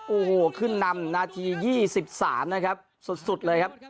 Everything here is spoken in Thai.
โอ้โหขึ้นนำนาที๒๓นะครับสุดเลยครับ